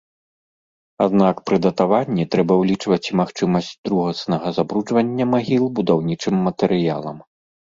Аднак пры датаванні трэба ўлічваць і магчымасць другаснага забруджвання магіл будаўнічым матэрыялам.